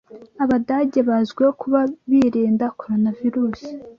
Abadage bazwiho kuba birinda coronavirus